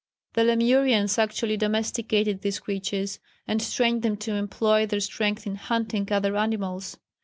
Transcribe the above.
The Lemurians actually domesticated these creatures, and trained them to employ their strength in hunting other animals.